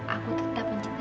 aku tetap mencintai mas doni